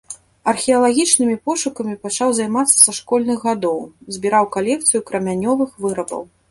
Археалагічнымі пошукамі пачаў займацца са школьных гадоў, збіраў калекцыю крамянёвых вырабаў.